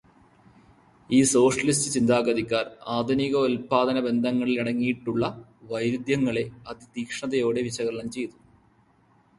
ഈ സോഷ്യലിസ്റ്റ് ചിന്താഗതിക്കാർ ആധുനികോല്പാദനബന്ധങ്ങളിലടങ്ങിയിട്ടുള്ള വൈരുദ്ധ്യങ്ങളെ അതിതീക്ഷണതയോടെ വിശകലനം ചെയ്തു.